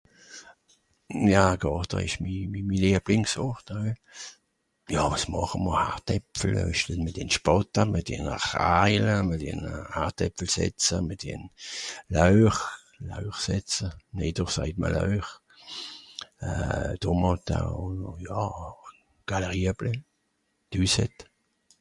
Ja Gàrte ìsch mi lieblings Ort. Ja wàs màche m'r... Hartäpfel (...), Hartäpfel setza mìt'm Laöch, Laöch setza, (...) sajt ma Laöch, Tomàte ùn... ja, Galrieble (...).